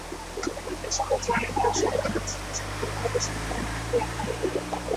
এই-সকল জার্মান দার্শনিকের ইচ্ছা-বিষয়ক মতবাদের সহিত আমরা মোটেই একমত নই।